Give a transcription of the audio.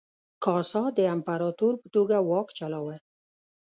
کاسا د امپراتور په توګه واک چلاوه.